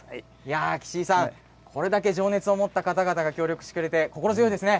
岸井さん、これだけ情熱を持った方々が協力してくれて心強いですね。